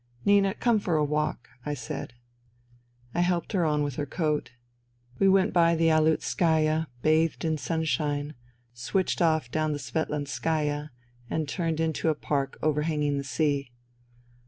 *' Nina, come for a walk," I said. NINA 241 I helped her on with her coat. We went by the Aleutskaya, bathed in sunshine, switched off down the Svetlanskaya and turned into a park overhanging the sea.